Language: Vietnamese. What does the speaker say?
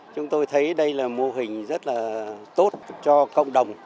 chúng tôi thấy đây là mô hình rất là tốt cho cộng đồng